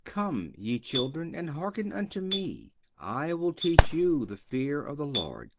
"Come, ye children, and hearken unto Me: I will teach you the fear of the Lord."